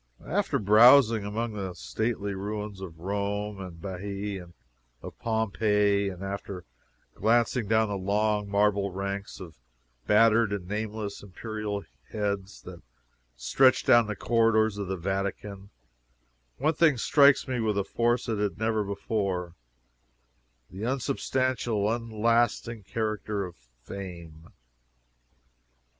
After browsing among the stately ruins of Rome, of Baiae, of Pompeii, and after glancing down the long marble ranks of battered and nameless imperial heads that stretch down the corridors of the Vatican, one thing strikes me with a force it never had before: the unsubstantial, unlasting character of fame.